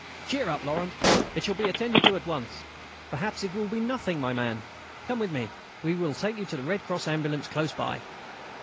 "Cheer up, Laurent, it shall be attended to at once. Perhaps it will be nothing, my man. Come with me, we will take you to the Red Cross ambulance close by."